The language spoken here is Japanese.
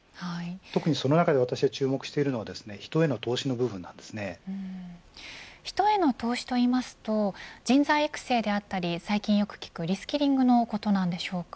特にその中で私が注目しているのが人への投資と言いますと人材育成であったり最近よく聞くリスキリングのことなんでしょうか。